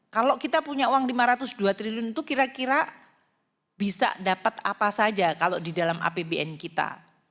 kalau kita punya uang rp lima ratus dua triliun itu kira kira bisa dapat apa saja kalau di dalam apbn kita